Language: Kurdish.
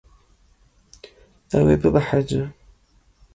Ew ê bibehece.